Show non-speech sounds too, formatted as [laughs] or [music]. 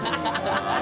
ハハハ [laughs]